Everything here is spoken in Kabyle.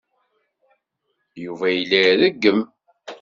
Yuba yella ireggem.